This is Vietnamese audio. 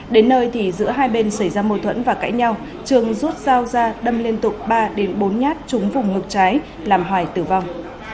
đến nơi thì giữa hai bên xảy ra mâu thuẫn và cãi nhau trường rút dao ra đâm liên tục ba bốn nhát trúng vùng ngực trái làm hoài tử vong